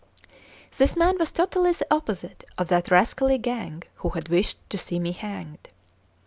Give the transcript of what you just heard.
This man was totally the opposite of that rascally gang who had wished to see me hanged.